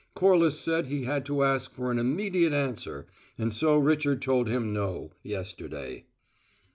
Corliss said he had to ask for an immediate answer, and so Richard told him no, yesterday."